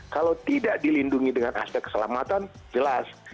kalau tidak dilindungi dengan aspek keselamatan jelas